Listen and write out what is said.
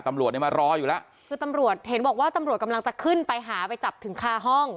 ตำรวจเนี่ยมารออยู่แล้วคือตำรวจเห็นบอกว่าตำรวจกำลังจะขึ้นไปหาไปจับถึงคาห้อง